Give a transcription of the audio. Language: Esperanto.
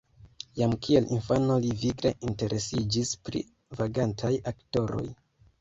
Jam kiel infano li vigle interesiĝis pri vagantaj aktoroj.